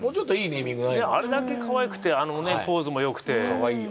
あれだけかわいくてポーズもよくて。